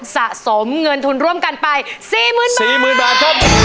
สะสมเงินทุนร่วมกันไปสี่หมื่นบาท